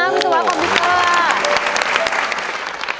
วิศวะคอมพิวเตอร์